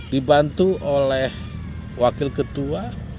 dibantu oleh wakil ketua